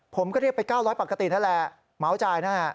ผมก็เรียกไป๙๐๐ปกตินั่นแหละเหมาจ่ายนะ